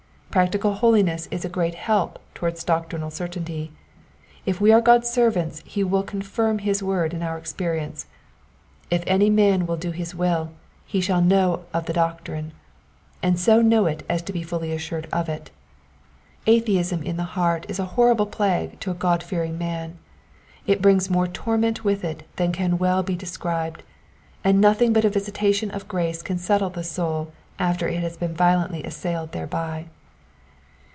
Practical holiness is a great help towards doctrinal certainty : if we are God's servants he will confirm his word in our experience. *' If any man will do his will, he shall know of the doctrine" ; and so know it as to be fully assured of it. Atheism in the heart is a horrible plague to a God fearing man, it brings more torment with it than can well be described ; and nothing but a visitation of grace can settle the soul after it has been violently assailed thereby.